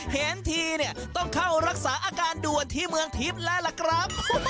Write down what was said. เห็นทีเนี่ยต้องเข้ารักษาอาการด่วนที่เมืองทิพย์แล้วล่ะครับ